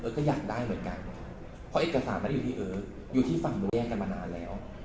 ก็อยากได้เหมือนกันเพราะเอกสารไม่ได้อยู่ที่เอออยู่ที่ฝั่งนู้นแยกกันมานานแล้ว